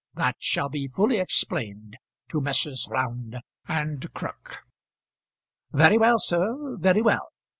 That shall be fully explained to Messrs. Round and Crook." "Very well, sir; very well.